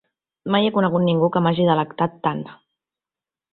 Mai he conegut ningú que m'hagi delectat tant.